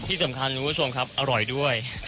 ที่สำคัญคุณผู้ชมครับอร่อยด้วย